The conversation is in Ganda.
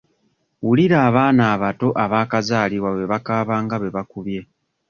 Wulira abaana abato abaakazalibwa bwe bakaaba nga be bakubye.